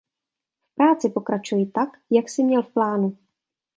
V práci pokračuj tak, jak jsi měl v plánu.